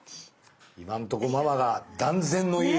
今んとこママが断然の優位。